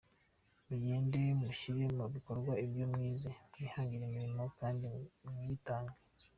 Mugende mushyire mu bikorwa ibyo mwize, mwihangire imirimo kandi muyitange.